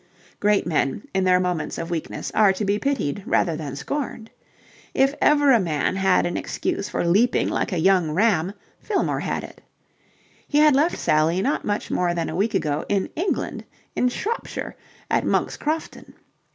Great men, in their moments of weakness, are to be pitied rather than scorned. If ever a man had an excuse for leaping like a young ram, Fillmore had it. He had left Sally not much more than a week ago in England, in Shropshire, at Monk's Crofton.